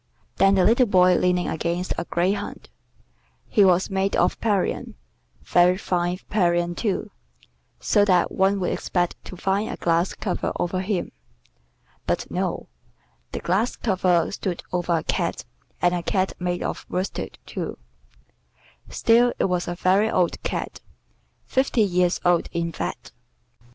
Then the little boy leaning against a greyhound; he was made of Parian, very fine Parian, too, so that one would expect to find a glass cover over him: but no, the glass cover stood over a cat and a cat made of worsted, too: still it was a very old cat, fifty years old in fact.